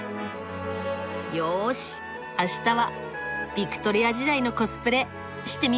よし明日はビクトリア時代のコスプレしてみますか。